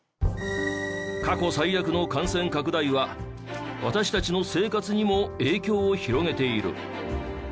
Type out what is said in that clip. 過去最悪の感染拡大は私たちの生活にも影響を広げている。